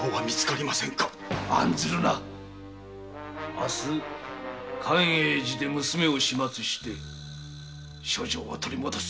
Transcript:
明日寛永寺で娘を始末して書状は取り戻す。